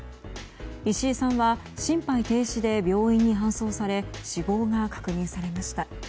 石井さんは心肺停止で病院に搬送され死亡が確認されました。